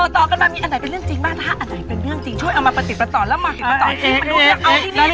ต่อกันมามีอันไหนเป็นเรื่องจริงบ้างถ้าอันไหนเป็นเรื่องจริงช่วยเอามาปฏิประต่อแล้วมาติดต่อจริง